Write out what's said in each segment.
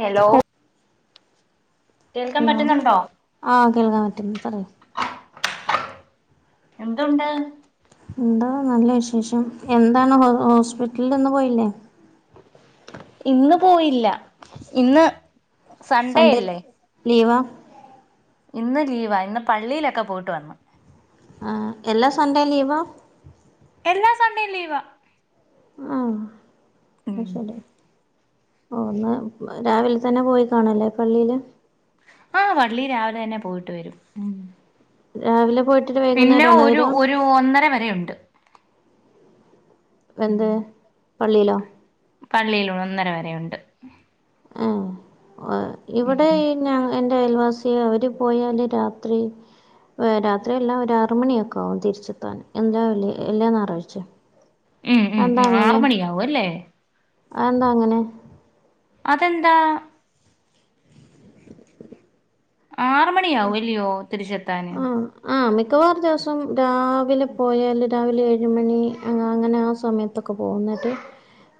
Hello കേൾക്കാൻ hello, പറ്റുന്നുണ്ടോ ആ കേൾക്കാൻ പറ്റുന്നു പറയ് എന്തുണ്ട്?. എന്താ നല്ല വിശേഷം. എന്താണ് ഹോ ഹോസ്പിറ്റലിൽല്ന്ന് പോയില്ലേ?. ഇന്ന് പോയില്ല. ഇന്ന് സൺഡേ അല്ലേ സൻഡേല്ലെ ലീവാ ഇന്ന് ലീവാ. ഇന്ന് പള്ളീലക്കെ പോയിട്ട് വന്നു. ആഹ് എല്ലാ സൺഡേം ലീവാ?. എല്ലാ സൺഡേം ലീവാ ആഹ് ഉം അത് ശരി ഓന്ന് രാവിലെ തന്നെ പോയി കാണല്ലേ, പള്ളീല്. ആ പള്ളിൽ രാവിലെ തന്നെ പോയിട്ട് വരും. ഉം രാവിലെ പോയിട്ട് പിന്നെ ഒരു ഒരു ഒന്നര വരെയുണ്ട്. ഉം എന്ത് പള്ളിയിലോ?. പള്ളിയിൽ ഒന്നര വരെയുണ്ട്. ഏഹ് ഉം ഇവിടെ ഈ ഞ എൻ്റെ അയൽവാസി അവര് പോയാല് രാത്രി രാത്രിയല്ലാം ഒരു ആറുമണിയൊക്കെ ആകും തിരിച്ചെത്താൻ എ എല്ലാം ഞായറാഴ്ച്ചയും. മ് മ് ഉ ആറ് മണിയാവും അല്ലേ?. അതെന്താ അങ്ങനെ?. അതെന്താ?. ആറ് മണിയാവു അല്ലയോ തിരിച്ചെത്താന്. ആ മിക്കവാറും ദിവസം രാവിലെ പോയാൽ രാവിലെ ഏഴ് മണി അങ്ങനെ ആ സമയത്ത് അപം ഒകൊപോ ന്നിട്ട്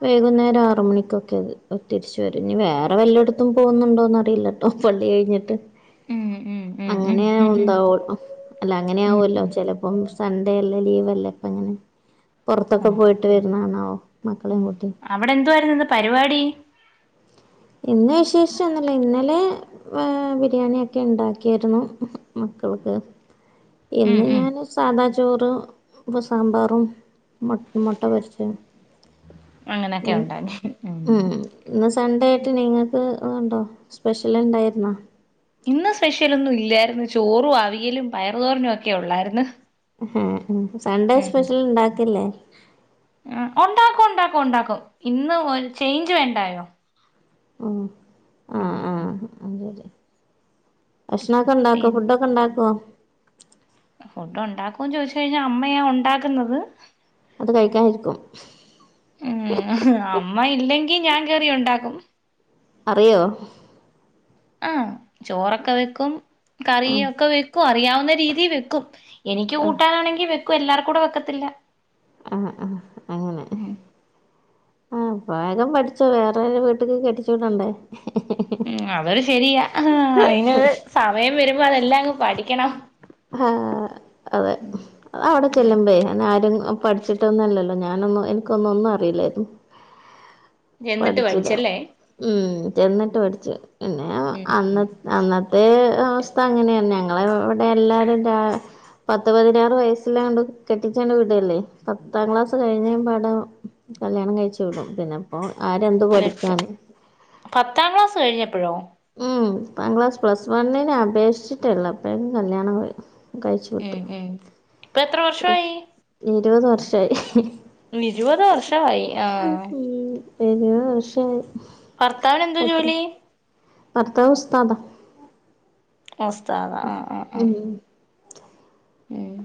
വൈകുന്നേരം ആറ് മണിക്കൊക്കെ അത് തിരിച്ചു വരും. ഇനി വേറെ വല്ലയിടത്തും പോകുന്നുണ്ടോന്ന് അറിയില്ല. ഒപ്പള്ളി കഴിഞ്ഞിട്ട് ഉം ഉം ഉം ഉം അങ്ങനെ ഉം ഉം ഉടവു അല്ല ഉം അങ്ങനെയാവുമല്ലോ. ഉം ചിലപ്പം സൺഡേ അല്ല ലീവ് അല്ല ഇപ്പ അങ്ങനെ പുറത്തൊക്കെ ആഹ് പോയിട്ട് വരുന്നതണാവോ മക്കളെയും ഉം കുട്ടി. അവിടെ എന്തുവായിരുന്നു ഇന്ന് പരിപാടി. ഇന്ന് വിശേഷം ഒന്നുല്ല. ഇന്നലെ വേ ബിരിയാണിയൊക്കെ ഉണ്ടാക്കിയായിരുന്നു മക്കൾക്ക്. ഉം ഇന്ന് ഉം ഞാൻ സാദാ ചോറ് ഇപ്പ സാമ്പാറും മു മുട്ട പെ പൊരിച്ചതും. അങ്ങനെയൊക്കെ ഉണ്ടാക്കി, ഉം ഇന്ന് സൺഡേ ആയിട്ട് നിങ്ങൾക്ക് ഉണ്ടോ സ്പെഷ്യൽ ഉണ്ടായിരുന്നോ?. ഇന്ന് സ്പെഷ്യലൊന്നും ഇല്ലായിരുന്നു. ചോറും, അവിയലും, പയർ, തോരനും, ഒക്കെ ഉള്ളയിരുന്നു. ആ സൺണ്ടേ സ്പെഷ്യൽ ഉണ്ടാക്കില്ലേ?. ഉണ്ടാക്കും ഉണ്ടാക്കും ഉണ്ടാക്കും ഇന്ന് ഒരു ചേഞ്ച് വേണ്ടായോ?. ഉം ആ ആ ഉം അതെ ഭക്ഷണംമ ഒക്കെ ഉണ്ടാക്കോ പിന്നെ ഫുഡ് ഒക്കെ ഉണ്ടാക്കോ ഫുഡ് ഉണ്ടാക്കുംന്ന് ചോദിച്ച കഴിഞ്ഞാൽ അമ്മയാാ ഉണ്ടാക്കുന്നത്. അത് കഴിക്കാനരിക്കും. ഏഅമ്മ ഇല്ലെങ്കി ഞാൻ കറി ഉണ്ടാക്കും. അറിയോ? ആഹ ചോറൊക്കെ വെക്കും കറി ഉം ഒക്കെ വെക്കും അറിയാവുന്ന രീതി വെക്കും. എനിക്ക് ആഹ് കൂട്ടാനാണെങ്കിൽ വെക്കും എല്ലാർ കൂടെ വെക്കത്തില്ല. ആ ആ അങ്ങനെ ഉം ആ വേഗം പഠിച്ചോ വേറെരു വീട്ടക്ക് കെടിച്ചുവിടണ്ടേ ഉ അതൊരു ശരിയാ അയ് നൊരു സമയം വരുമ്പോ അതെല്ലാം അങ്ങ് പഠിക്കണം ആഹ് അതെ അതവിടെ ചെല്ലുമ്പേ എന്ന ആരും പഠിച്ചിട്ടൊന്നല്ലല്ലോ ഞാനൊന്നും എനിക്കൊന്നും ഒന്നും അറി ലേ നു അറിയില്ലായിരുന്നു. [inaudible] പഠിച്ചിടാ പഠിച്ചല്ലേ ഉ ചെന്നിട്ട് പഠിച്ചു പിന്നെ അന്ന ഉം അന്ന ഏ അവസ്ഥ അങ്ങനെയാണ് ഞങ്ങള ഇവിടെ എല്ലാവരും. ര പത്ത് പതിനാറ് വയസ്സില്ണ്ട് കെട്ടിച്ചണ്ട് വിടല്ലേ പത്താം ക്ലാസ് കഴിഞ്ഞ പാടോ കല്യാണം കഴിച്ച വിടും പിന്നെപ്പോ ആരെന്ത് എട്ട് പഠിക്കാണ്. പത്താം ക്ലാസ് കഴിഞ്ഞപ്പഴോ ഉം ക്ലാസ് പ്ലസ് വണ്ണിനന് അപേക്ഷിച്ചിട്ടള്ളോ അപ്പോഴക്കും കല്യാണം കഴി കഴിച്ചു ഉം വിട്ടു ഉം ഇപ്പൊ എത്ര വർഷമായി ഇരുപത് വർഷായി ഇരുപത് വർഷമായി ആഹ് ഉം ഇരുപത് വർഷായി ഭർത്താവിന ന്തോ എത്ര ജോലി ഭർത്താവ് ഉസ്താദ ആഹ് ഉസ്താദാ ആഹ് ആഹ് ഉം ഉം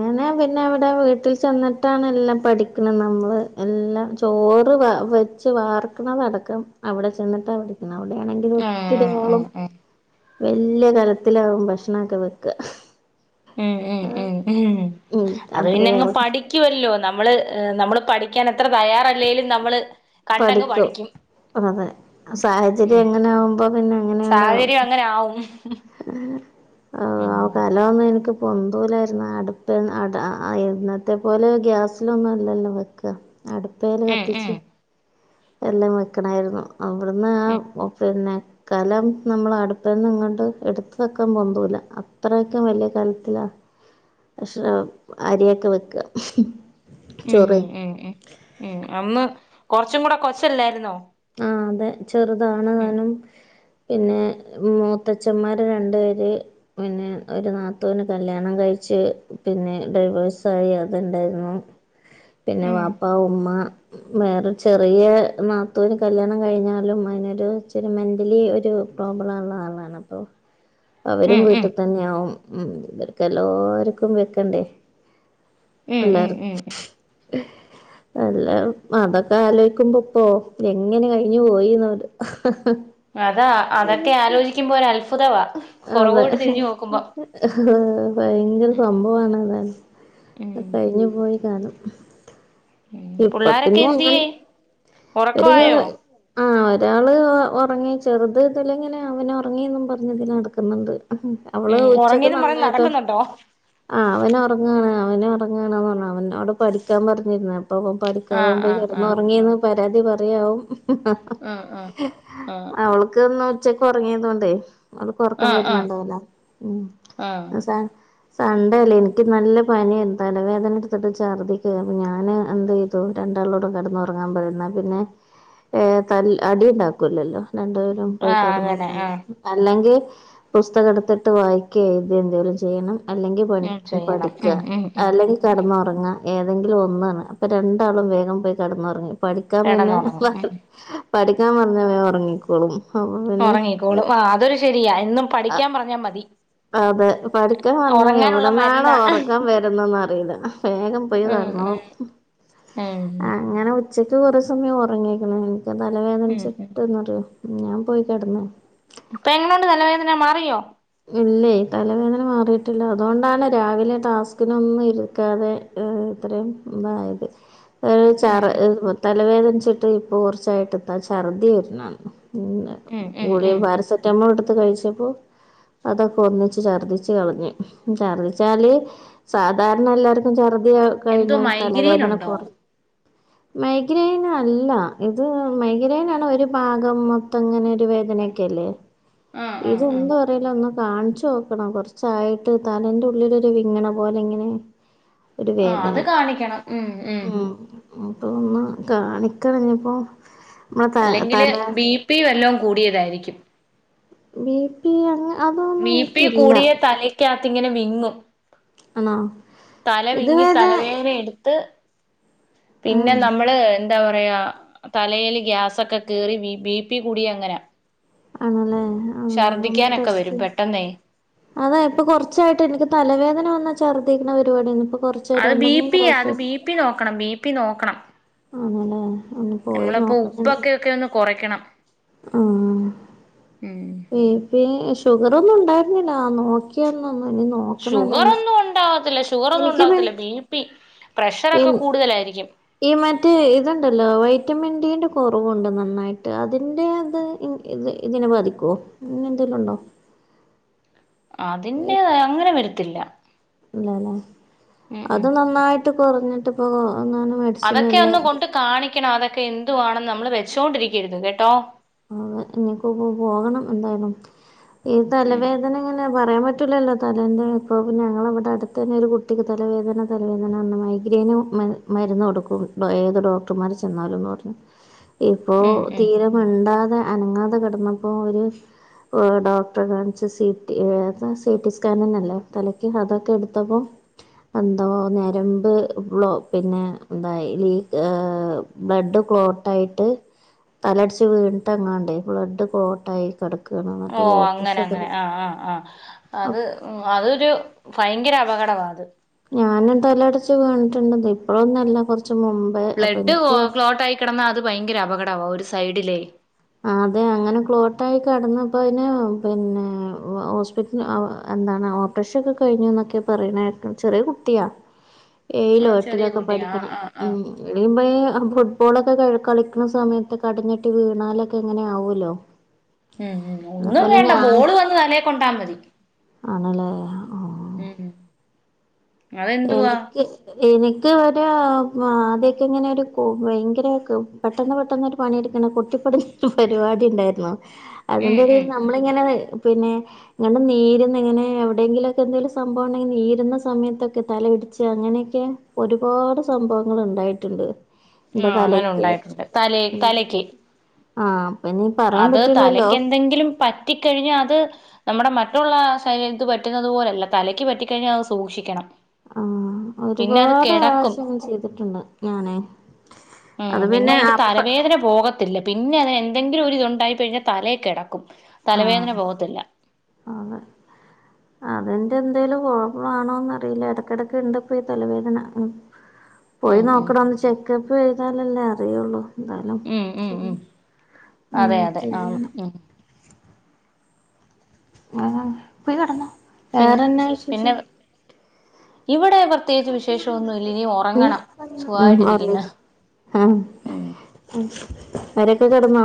അങ്ങനെ പിന്നെ അവിടെ വീട്ടിൽ ചെന്നിട്ടാണ് എല്ലാം പഠിക്കുന്നത് നമ്മള് എല്ലാം ചോറ് കുച്ച് വാർക്കുന്നതടക്കം അവിടെ ചെന്നിട്ട് അവിടിക്ക അവിടെയാണെങ്കിലിൽ ആഹ് ആഹ് ഒത്തിരിയാളും ആഹ് വല്യ കലത്തിലാവും ഭക്ഷണൊക്കെ വെക്ക ഉം ഉം ഉം ഉം ഉ ഉം അത് പിന്നെ അത്രയും പടി ഠിക്കുവല്ലോ നമ്മള് നമ്മള് പഠിക്കാൻ എത്ര തയ്യാറല്ലേലും നമ്മള് കണ്ടങ്ങ് പഠിക്കും അതെ സാഹചര്യം അങ്ങനെ ആകുമ്പോ പിന്നെ എങ്ങനെയുണ്ടാവ ശരി അങ്ങനെ ആവും ഉം ആകാൻര അന്ഒന്നും എനിക്ക് പൊന്തൂലായിരുന്നു അടുപ്പ ഇന്നത്തെ പോലെ ഗ്യാസിലൊന്നും അല്ലല്ലോ ക്ക അടുപ്പേൽ ഉം കത്തിച്ച് ഉം എല്ലാം വെക്കണായിരുന്നു അവിടുന്ന് ഉം ആഹ് പിന്നെ കലം നമ്മൾ അടുപ്പത്ത്ന്ന് ഇങ്ങോട്ട് എടുത്ത വെക്കാൻ പൊന്തൂല്ല അത്രേക്കെ വലിയ കാലത്തിലാണ് പ്രശ്ണാകും അരിയൊക്കെ വെക്കുക ഉം ചോറേ ഉം ഉം ഉം ഉം അന്ന് കുറച്ചും കൂടെ കൊച്ചല്ലായിരുന്നോ ആഹ് അതെ ചെറുതാണ് ഉം താനും പിന്നെ മൂത്തച്ഛന്മാര് രണ്ടു പേര് പിന്നെ ഒരു നാത്തുന് കല്യാണം കഴിച്ച് പിന്നെ ഡൈവേഴ്സ് ആയി അത്ണ്ടായിരുന്നു പിന്നെ ഉം പാപ്പ ഉമ്മ വേറെ ചെറിയ നാത്തൂന് കല്യാണം കഴിഞ്ഞാലും അതിനൊരു ചിരി മെൻ്റലി ഒരു പ്രോബ്ലം ഉള്ള ആളാണ് അപ്പൊ അവരും ഉം ഉം വീട്ടിൽ തന്നെയ ആവും ഉം ഇവർക്ക എല്ലർക്കും വെക്കണ്ടേ ഉം ഉം ഉം അല്ല അതൊക്കെ ആലോചിക്കുമ്പോ ഇപ്പോഎങ്ങനെ കഴിഞ്ഞു പോയിന്നര് അതാ അതൊക്കെ ആലോചിക്കുമ്പോ ഒരു അത്ഭുതവാ അതെ പുറകോട്ട് തിരിഞ്ഞു നോക്കുമ്പോ ഭയങ്കര സംഭവമാണ് ഉം അതെ ഇനിപോയി കാണാം ഉം ഇപ്പൊ പുള്ളാരൊക്കെ പിന്നെ [unintelligible] എന്തിയേ ഒരു ഉറക്കവായോ ആഹ് ഒരാൾ ഉറങ്ങി ചെറുത് ഇതില്ലങ്ങനെ അവന് ഉറങ്ങി പറഞ്ഞതിൽ നടക്കുന്നുണ്ട് അവള് ഉം ഉച്ചക്ക് ഉറങ്ങിയന്നും പറഞ്ഞ് നന്നായിട്ടോ നടക്കുന്നുണ്ടോ ആഹ് അവന ഉറങ്ങാണ് അവന ഉറങ്ങാണ് അവനോട് പഠിക്കാൻ പറഞ്ഞിരുന്ന [unintelligible] പഠിക്കാത ആഹ് പോകുമ്പ ആഹ് ആഹ് കിറന്നുറങ്ങിയന്ന് പരാതി പറയാവും ആഹ് ആഹ് അവൾക്ക് ഒന്ന് ഉച്ചയ്ക്ക് ഉറങ്ങിയത് കൊണ്ടേ അവൾക്ക് ഉറക്കം ആഹ് ആഹ് വരുന്നുണ്ടാവുല്ല ഉം ആഹ് ആഹ് സൺണ്ടേ അല്ലേ എനിക്ക് നല്ല പനി തലവേദന എടുത്തിട്ട് ഛർദിക്ക അപ്പ ഞാന് എന്ത് ചെയ്തു രണ്ടാളോടും കിടന്നു ഉറങ്ങാൻ പറഞ്ഞു ഇന്നാ പിന്നെ ഏ ത അടി ഉണ്ടാക്കൂല്ലല്ലോ രണ്ടുപേരും പോയി ആഹ് അങ്ങനെ കടന്നുറങ്ങമ്പോ ആഹ് അല്ലെങ്കിൽ പുസ്തകം എടുത്തിട്ട് വായിക്കേ എഴുതേ എന്തെങ്കിലും ചെയ്യണം അല്ലെങ്കിൽ പ ഉം ചെയ്യണം പഠിക്ക ഉം ഉം ഉം അല്ലെങ്കിൽ ഉം കടന്നുറങ്ങ ഏതെങ്കിലും ഒന്നാണ് അപ്പൊ രണ്ടാളും വേഗം പോയി കടന്നുറങ്ങി പഠിക്കാൻ പിന്നെ കിടന്നുറങ്ങും ഉം പഠിക്കാൻ പറഞ്ഞേ വേഗം ഉറങ്ങിക്കോളും അപ്പൊ പിന്നെ ഓൾ ആഹ് അതൊരു ശെരിയാ എന്നും പഠിക്കാൻ പറഞ്ഞാ മതി അതെ പഠിക്കാൻ പറഞ്ഞാ ഒറങ്ങാനുള്ള എവിടന്നാണോ മരുന്നാ ഉറക്കാൻ വരുന്ന അറിയില്ല വേഗം [unintelligible] ഉം കടന്നോളും ഉം ഉം അങ്ങനെ [unintelligible] സമയം ഉറങ്ങിക്ക്ണ് എനിക്ക് തല ഉം ഉം വേദനിച്ചിട്ട്ന്ന്റിയോ ഞാൻ പോയി കെടന്ന്. പ്പൊ എങ്ങനുണ്ട് തലവേദന മാറിയോ. ഇല്ലേ തലവേദന മാറിയിട്ടില്ല അതുകൊണ്ടാണ് രാവിലെ ടാസ്കിനൊന്നും ഇരിക്കാതെ. ഇത്രയും ഇതായത്. [inaudible] ഉം [unintelligible] തലവേദനിച്ചിട്ട് ഇപ്പൊ കുറച്ചായിട്ട് ഛർദി വരുന്നു ഉം ഉം ഉം [unintelligible] പാരസെറ്റാമോൾ എടുത്ത് കഴിച്ചപ്പോ. അതൊക്കെ ഒന്നിച്ച് ഛർദ്ദിച്ച് കളഞ്ഞ് ഛർദ്ദിച്ചാല്. സാധാരണ എല്ലാർക്കും ഛർദി എന്തോ കഴിഞ്ഞാൽ മൈഗ്രീൻ തലവേദന ഉണ്ടോ [unintelligible] [inaudible] മൈഗ്രൈൻ അല്ല ഇത് മൈഗ്രൈന ആണ് ഒരു ഭാഗം മൊത്തം ഇങ്ങനെ ഒരു വേദനൊക്കെയല്ലേ. [inaudible] ഇത് ആഹ് ഒന്നും അറില്ല ഒന്ന് കാണിച്ചു നോക്കണം കൊറച്ചായിട്ട് തല ൻ്റെ ഉള്ളിലൊരു വിങ്ങ്ണ പോലെ ഇങ്ങനെ ഇങ്ങനെ. ആ അത് കാണിക്കണം ഉം ഉം. അപ്പൊ ഒന്ന് കാണിക്കണം ഇഞ്ഞിപോ മ്മളെ തല തല [unintelligible] വല്ലവും കൂടിയതായിരിക്കും. ബി പി [unintelligible] അതൊന്നും ഇനിക്കില്ല. [unintelligible] ഇങ്ങനെ വിങ്ങും. ആണോ തല വിങ്ങി ഇതുവരെ തലവേന എടുത്ത്. പിന്നെ ആഹ് നമ്മള് ന്താ പറയാ തലയിൽ ഗ്യാസൊക്കെ കേറി ബി പി കൂടി അങ്ങനെ. ആണല്ലേ ആഹ് എന്നാ ഒന്ന് ഛർദ്ദിക്കാനൊക്കെ ടെസ്റ്റ് വരും ചെയ് പെട്ടെന്നേ അതാ ഇപ്പൊ കുറച്ചായിട്ട് എനിക്ക് തലവേദന വന്ന ഛർദ്ദിക്കണ പരിപാടിയാണ് ഇപ്പ [unintelligible] അത് ബിപി യാ അത് ബി പി നോക്കണം ബി പി നോക്കണം. ആണല്ലേ ഉം നമ്മളപ്പോ ഉപ്പൊക്കെ ഒക്കെ ഒന്ന് കുറയ്ക്കണം. ആ ഉം ഏ [unintelligible] ഷുഗറൊന്നും ഉണ്ടായിരുന്നില്ല നോക്കിയാന്നൊന്നും ഇനി [unintelligible] എന്തായാലും ഷുഗറൊന്നും ഉണ്ടാവത്തില്ല ഷുഗറൊന്നും എനിക്ക് പിൻ ഉണ്ടാവത്തില്ല ബി പി ഇൻ പ്രഷറൊക്കെ കൂടുതലായിരിക്കും. ഈ മറ്റേ ഇതുണ്ടല്ലോ വൈറ്റമിൻ ഡീന്റെ കുറവുണ്ട് നന്നായിട്ട് അതിന്റെ അത് [unintelligible] ഇത് ഇതിനെ ബാധിക്കുവോ ങ്ങനെ ന്തെങ്കിലും ഉണ്ടോ. അതിന്റേത് അങ്ങനെ വരത്തില്ല ഇല്ലല്ലേ ഉം അത് ഉം നന്നായിട്ട് കുറഞ്ഞിട്ട് ഇപ്പം [unintelligible] അതൊക്കെ ഒന്ന് കൊണ്ട് കാണിക്കണം അതൊക്കെ എന്തുവാണെന്ന് നമ്മള് വെച്ചോണ്ടിരിക്കരുത് കേട്ടോ [unintelligible] പോകണം എന്തായാലും ഈ ഉം തലവേദന [unintelligible] പറയാൻ പറ്റില്ലല്ലോ തലേന്റെ ഇപ്പൊ ഞങ്ങളവിടെ അടുത്ത് തന്നെ ഒരു കുട്ടിക്ക് തലവേദന [unintelligible] മൈഗ്രെയിന് മരുന്ന് കൊടുക്കും ഇപ്പം ഏത് ഡോക്ടർമാർ ചെന്നാലുംന്ന് പറഞ്ഞ് [inaudible] ഇപ്പോ ഉം ഉം തീരെ മിണ്ടാതെ അനങ്ങാതെ കിടന്നപ്പോ ഒര് ഒ ഡോക്ടറെ കാണിച്ച് സി ടി എ താ സി ടി സ്കാൻ തന്നല്ലേ തലക്ക് അതൊക്കെ എടുത്തപ്പോ എന്തോ ഞരമ്പ് [unintelligible] പിന്നെ ഇതായി [unintelligible] ബ്ലഡ് ക്ലോട്ട് ആയിട്ട് തലയിടിച്ച് വീണിട്ടങ്ങാണ്ടെ ബ്ലഡ് ക്ലോട്ട് ആയി [unintelligible] ഓ അങ്ങനെ അങ്ങനെ ആ ആ ആ അത് അതൊരു ഭയങ്കര അപകടമാ അത് ഞാനും തല അടിച്ചു വീണിട്ടുണ്ടെന്നേ ഇപ്പോഴൊന്നും അല്ല കുറച്ച് [unintelligible] ബ്ലഡ് എനിക്ക് ക്ലോട്ട് ആയി കിടന്നാ അത് ഭയങ്കര അപകടവാ ഒരു സൈഡിലേ അതെ അങ്ങനെ ക്ലോട്ട് ആയി കിടന്നപ്പോ [unintelligible] പിന്നെ [unintelligible] [unintelligible] ഓപ്പറേഷൻ ഒക്കെ കഴിഞ്ഞു എന്നൊക്കെ [unintelligible] ചെറിയ കുട്ടിയാ [inaudible] ഏഴിലോ എട്ടിലോ ചെറിയ ഒക്കെ കുട്ടി ആ പഠിക്കണെ ആ ആ ഉം [unintelligible] ഫുട്ബോളൊക്കെ കളിക്കണ സമയത്ത് കടിഞ്ഞിട്ടി വീണാല് ഇങ്ങനെ ആവുമല്ലോ ഉം ഉം ഒന്നും അതുപോലെ വേണ്ട ഞാൻ ബോള് വന്ന് തലേ കൊണ്ടാ മതി ആണല്ലേ ഓ ഉം അതെന്തുവാ എനിക്ക് എനിക്ക് ഒരു ആദ്യ ഒക്കെ ഇങ്ങനെ ഒരു ഭയങ്കര പെട്ടെന്ന് പെട്ടെന്ന് ഒര് പണിയെടുക്കണം കുട്ടിപ്പ പരിപാടി ഉണ്ടായിരുന്നു ഉം അതിന്റെ ഇടയിൽ ഉം നമ്മ നമ്മളിങ്ങനെ പിന്നെ ഇങ്ങണ്ട് നീരുന്ന ഇങ്ങനെ എവിടെയങ്കിലൊക്കെ എന്തെങ്കിലും സംഭവം ഉണ്ടെങ്കിൽ നീരുന്ന സമയത്തൊ തലയിടിച്ച് അങ്ങനെയൊക്കെ ഒരുപാട് സംഭവങ്ങൾ ഉണ്ടായിട്ടുണ്ട് എന്റെ ആഹ് അങ്ങനെ തലക്ക് ഉണ്ടായിട്ടുണ്ട് തല തലക്ക് ആഹ് പിന്നെ അത് തലക്ക് എന്തെങ്കിലും പറ്റിക്കഴിഞ്ഞാൽ അത് നമ്മുടെ മറ്റുള്ള ശരീരത്ത് പറ്റുന്നുന്നത് പോലല്ല തലയ്ക്ക് പറ്റിക്കഴിഞ്ഞാൽ അത് സൂക്ഷിക്കണം ആഹ് പിന്നെ അത് ഒരുപാട് കിടക്കും പ്രാവശ്യം ഇങ്ങനെ ചെയ്തിട്ടുണ്ട് ഞാനേ ഉം പിന്നെ അതിന്റെ തലവേദന പോക ത്തില്ല പിന്നെ അതിന് എന്തെങ്കിലും ഒര് ഇതുണ്ടായിക്കഴിഞ്ഞാൽ തലേക്കിടക്കും തലവേദന പോകത്തില്ല ആന്ന് അതിന്റെ എന്തേലും കുഴപ്പാണോന്ന് അറിയില്ല ഇടക്കിടക്ക് ഇണ്ട്പ്പോ ഈ തലവേദന പോയി ഉം ഉം നോക്കണം ഒന്ന് ചെക്കപ്പ് ചെയ്താലല്ലേ അറിയുള്ളൂ എന്താലും ഉം ഉം ഉം അതെ അതെ ആഹ് ഉം ആഹ് പോയി കിടന്നോ പിന്ന് വേറെന്നാ പിന്നെ വിശേഷം? ഇവിടെ ഇവർ പ്രത്യേകിച്ച് വിശേഷമൊന്നുമില്ല ഇനി ഉം ഉറങ്ങണം ഉം ഉറങ്ങി. സുഖായിട്ടിരിക്കുന്ന് ആഹ് അവരൊക്കെ കിടന്നോ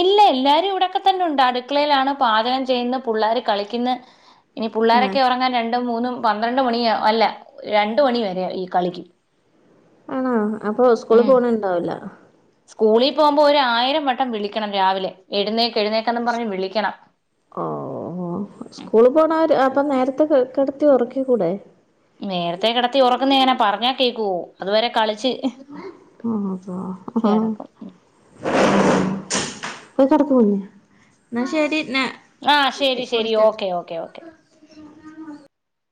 ഇല്ല എല്ലാരും ഇവിടെക്കെ തന്നെ ഉണ്ട് അടുക്കളയിലാണ് പാചകം ചെയ്യുന്ന് പിള്ളാര് കളിക്കുന്ന് ഇനി ആഹ് പിള്ളോരൊക്കെ ഉറങ്ങാൻ രണ്ടും മൂന്നും പന്ത്രണ്ട് മണിയാ അല്ല രണ്ട് മണി വരെയാ ഈ കളി ആണോ അപ്പൊ സ്കൂളിൽ ഉം പോണുണ്ടാവില്ല സ്കൂളിൽ പോകുമ്പോൾ ഒരു ആയിരം വട്ടം വിളിക്കണം രാവിലെ എഴുന്നേക്ക എഴുന്നേക്കന്ന് പറഞ്ഞ് വിളിക്കണം ഓഹ് ഓഹ് സ്കൂൾ പോണ അപ്പം നേരത്തെ കിടത്തി ഉറക്കി കൂടെ നേരത്തെേ കിടത്തി ഉറക്കുന്ന എങ്ങനെ പറഞ്ഞാൽ കേൾക്കുവോ അതുവരെ കളിച്ച് ആഹ് അത അഹ് കിടക്കും ഉം പോയി കിടക്കെ മോനെ എന്നാ ശരി ആ ശരി ശരി വിളിക്കട്ടോ ഓക്കെ ഓക്കേ ഓക്കെ